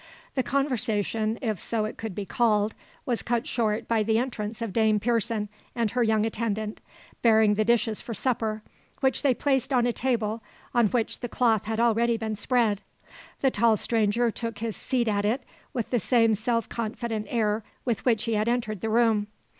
The conversation, if so it could be called, was cut short by the entrance of Dame Pearson and her young attendant, bearing the dishes for supper, which they placed on a table on which the cloth had already been spread. The tall stranger took his seat at it with the same self confident air with which he had entered the room.